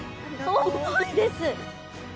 重いです。